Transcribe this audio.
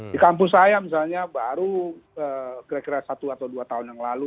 di kampus saya misalnya baru kira kira satu atau dua tahun yang lalu